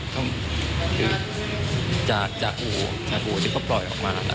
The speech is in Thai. ก็คือจากอู่จากอู่ที่เขาปล่อยออกมา